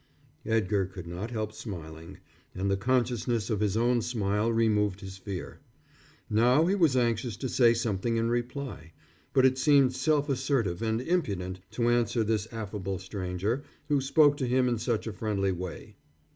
Edgar could not help smiling, and the consciousness of his own smile removed his fear. Now he was anxious to say something in reply, but it seemed self assertive and impudent to answer this affable stranger, who spoke to him in such a friendly way.